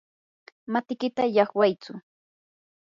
matikita llaqwaytsu.